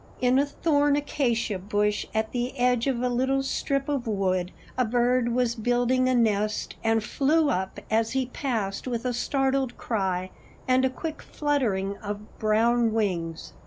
In a thorn acacia bush at the edge of a little strip of wood a bird was building a nest, and flew up as he passed with a startled cry and a quick fluttering of brown wings.